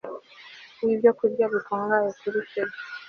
Wi byokurya bikungahaye kuri feri